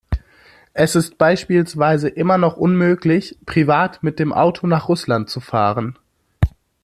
Es ist beispielsweise immer noch unmöglich, privat mit dem Auto nach Russland zu fahren.